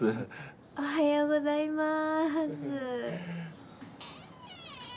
おはようございまーす。